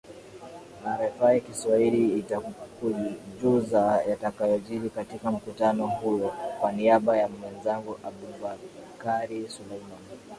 rfi kiswahili itakujuza yatakaojiri katika mkutano huo kwa niaba ya mwenzangu abubakari suleiman